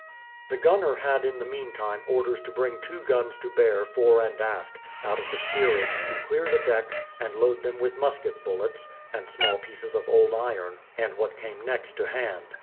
The gunner had in the meantime orders to bring two guns, to bear fore and aft, out of the steerage, to clear the deck, and load them with musket bullets, and small pieces of old iron, and what came next to hand.